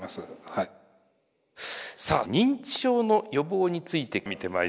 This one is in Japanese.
さあ認知症の予防について見てまいりました。